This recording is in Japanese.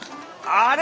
あれ？